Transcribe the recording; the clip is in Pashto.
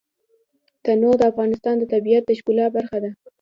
تنوع د افغانستان د طبیعت د ښکلا برخه ده.